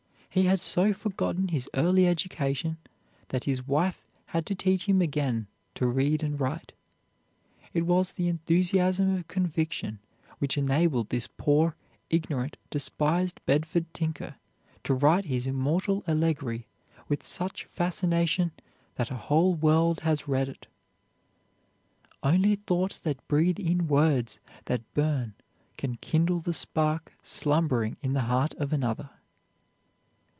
He had so forgotten his early education that his wife had to teach him again to read and write. It was the enthusiasm of conviction which enabled this poor, ignorant, despised Bedford tinker to write his immortal allegory with such fascination that a whole world has read it. Only thoughts that breathe in words that burn can kindle the spark slumbering in the heart of another.